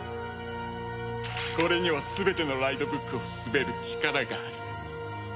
これには全てのライドブックを統べる力がある。